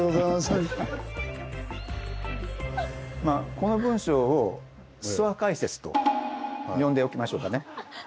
この文章を「諏訪解説」と呼んでおきましょうかね。